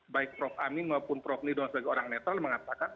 baik prof amin maupun prof nidom sebagai orang netral mengatakan